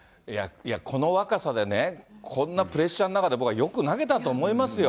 この若さで、こんなプレッシャーの中で僕はよく投げたと思いますよ。